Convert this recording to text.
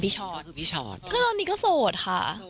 ชอตคือพี่ชอตก็ตอนนี้ก็โสดค่ะ